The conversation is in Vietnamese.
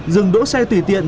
dừng đỗ xe tùy tiện